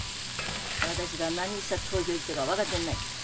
私が何しさ東京へ来たが分がってんない？